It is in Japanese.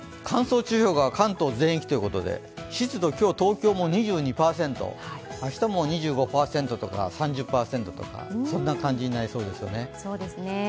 乾燥注意報が関東全域ということで、湿度、今日東京も２２％、明日も２５％とか３０％とか、そんな感じになりそうですよね。